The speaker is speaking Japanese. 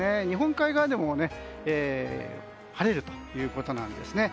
日本海側でも晴れるということなんです。